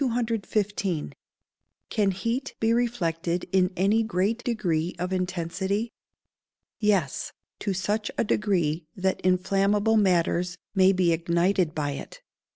Can heat be reflected in any great degree of intensity? Yes; to such a degree that inflammable matters may be ignited by it.